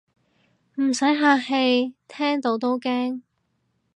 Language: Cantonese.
唔使客氣，聽到都驚